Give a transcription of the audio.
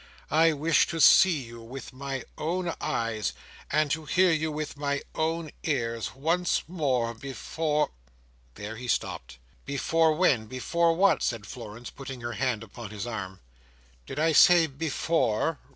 "I wished to see you with my own eyes, and to hear you with my own ears, once more before—" There he stopped. "Before when? Before what?" said Florence, putting her hand upon his arm. "Did I say 'before?